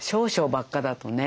ばっかだとね。